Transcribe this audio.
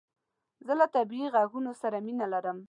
زه له طبیعي عږونو سره مینه لرم